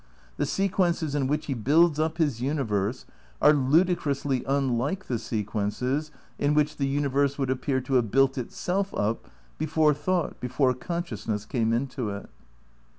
The sequences in which he builds up his universe are ludicrously un like the sequences in which the universe would appear to have built itself up before thought, before conscious ness came into it.